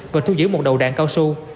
và thu giữ một đầu đạn cao su